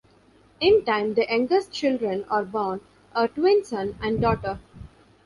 In time, the youngest children are born, a twin son and daughter.